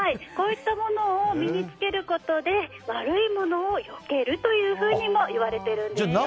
こういったものを身に着けることで悪いものをよけるというふうにもいわれているんです。